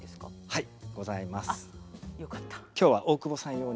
はい。